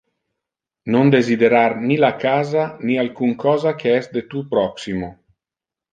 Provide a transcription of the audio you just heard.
Non desiderar ni la casa, ni alcun cosa que es de tu proximo.